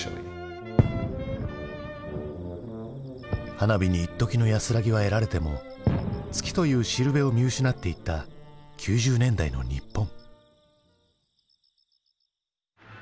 花火にいっときの安らぎは得られても月というしるべを見失っていった９０年代の日本。